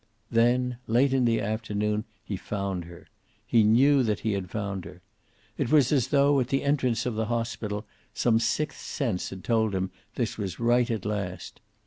Then, late in the afternoon, he found her. He knew that he had found her. It was as though, at the entrance of the hospital, some sixth sense had told him this was right at last.